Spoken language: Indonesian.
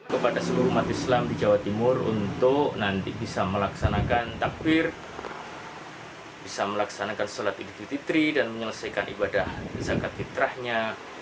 kepada seluruh umat islam di jawa timur untuk nanti bisa melaksanakan takbir bisa melaksanakan sholat idul fitri dan menyelesaikan ibadah zakat fitrahnya